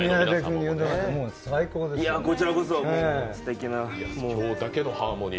こちらこそすてきな。